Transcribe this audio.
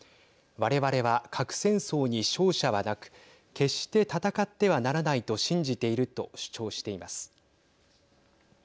我々は核戦争に勝者はなく決して戦ってはならないと信じていると主張しています。